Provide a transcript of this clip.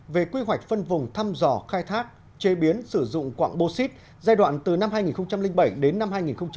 về quy hoạch phân vùng thăm dò khai thác chế biến sử dụng quạng bô xít giai đoạn từ năm hai nghìn bảy đến năm hai nghìn một mươi